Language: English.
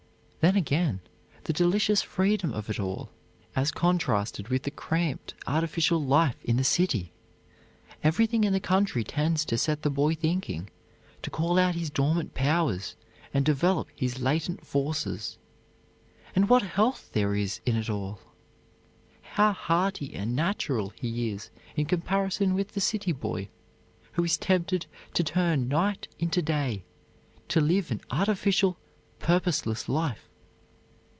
Then again, the delicious freedom of it all, as contrasted with the cramped, artificial life in the city! Everything in the country tends to set the boy thinking, to call out his dormant powers and develop his latent forces. And what health there is in it all! How hearty and natural he is in comparison with the city boy, who is tempted to turn night into day, to live an artificial, purposeless life.